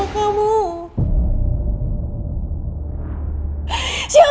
aku gak mau bisa sama kamu